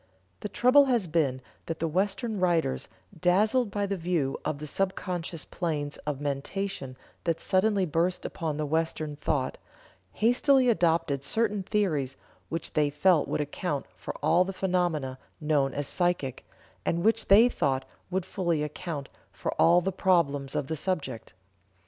The trouble has been that the Western writers dazzled by the view of the subconscious planes of mentation that suddenly burst upon the Western thought, hastily adopted certain theories, which they felt would account for all the phenomena known as "psychic," and which they thought would fully account for all the problems of the subject.